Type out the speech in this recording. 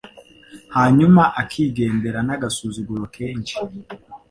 hanyuma akigendera n'agasuzuguro kenshi.